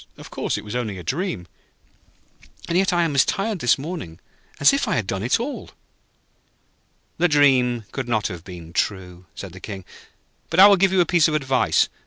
Of course, it was only a dream, and yet I am as tired this morning as if I had done it all.' 'The dream could not have been true,' said the King. 'But I will give you a piece of advice.